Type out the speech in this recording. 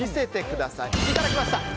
いただきました！